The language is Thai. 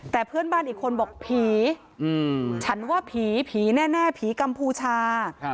แต่เพื่อนบ้านอีกคนบอกผีฉันว่าผีผีแน่ผีกัมพูชา